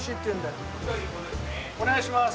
お願いします。